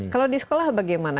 kalau di sekolah bagaimana